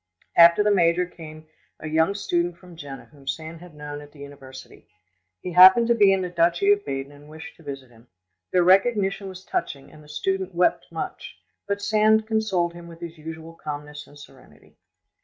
After the major came a young student from Jena whom Sand had known at the university. He happened to be in the duchy of Baden and wished to visit him. Their recognition was touching, and the student wept much; but Sand consoled him with his usual calmness and serenity.